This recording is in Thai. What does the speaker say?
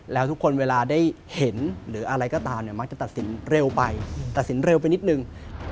แล้วทุกคนเวลาได้เห็นหรืออะไรก็ตามเนี่ยมักจะตัดสินเร็วไปตัดสินเร็วไปนิดนึง